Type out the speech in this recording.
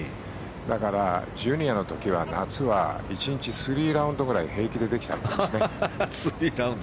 だからジュニアの時は夏は１日３ラウンドぐらい平気でできたんですよね。